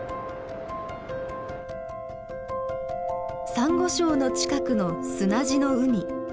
サンゴ礁の近くの砂地の海。